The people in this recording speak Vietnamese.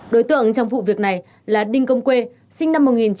đối tượng trong vụ việc này là đinh công quê sinh năm một nghìn chín trăm tám mươi